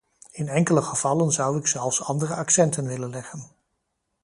In enkele gevallen zou ik zelfs andere accenten willen leggen.